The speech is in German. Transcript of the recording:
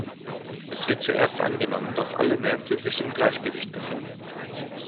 Es wird zuerst angenommen, dass alle Märkte sich im Gleichgewicht befinden.